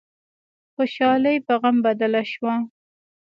خوشحالي په غم بدله شوه.